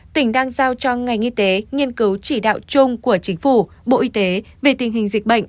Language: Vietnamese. tỉnh đang giao cho ngành y tế nghiên cứu chỉ đạo chung của chính phủ bộ y tế về tình hình dịch bệnh